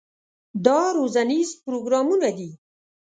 دا روزنیز پروګرامونه دي.